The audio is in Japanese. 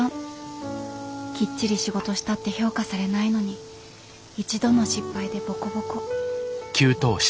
きっちり仕事したって評価されないのに一度の失敗でボコボコ。